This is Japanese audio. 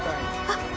あっ！